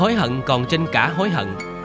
hối hận còn trên cả hối hận